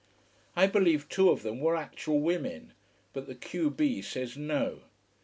I believe two of them were actual women but the q b says no.